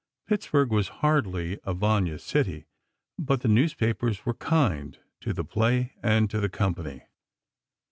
Pittsburgh was hardly a "Vanya" city, but the newspapers were kind—to the play and to the company.